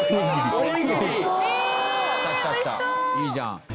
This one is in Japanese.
いいじゃん！